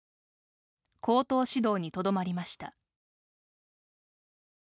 口頭指導にとどまりました。